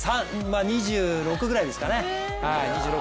２６歳ぐらいですかね。